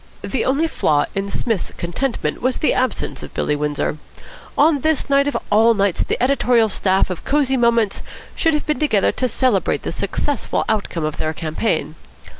The only flaw in Psmith's contentment was the absence of Billy Windsor. On this night of all nights the editorial staff of Cosy Moments should have been together to celebrate the successful outcome of their campaign.